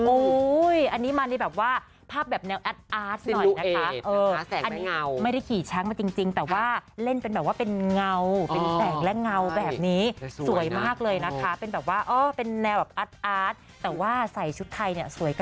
อันนี้มาในแบบว่าภาพแบบแนวแอดอาร์ตหน่อยนะคะ